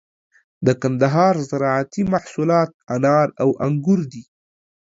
د کندهار زراعتي محصولات انار او انگور دي.